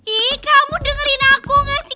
ih kamu dengerin aku gak sih